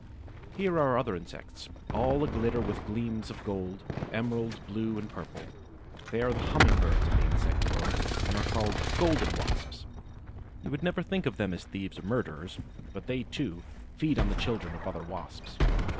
Here are other insects, all aglitter with gleams of gold, emerald, blue, and purple. They are the humming birds of the insect world, and are called the Golden Wasps. You would never think of them as thieves or murderers; but they, too, feed on the children of other Wasps.